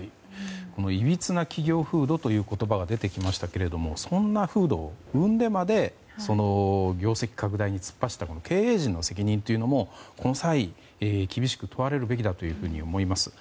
いびつな企業風土という言葉が出てきましたけれどもそんな風土を生んでまで業績拡大に突っ走った経営陣の責任というのもこの際、厳しく問われるべきだと思います。